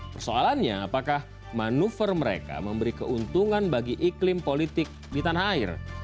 persoalannya apakah manuver mereka memberi keuntungan bagi iklim politik di tanah air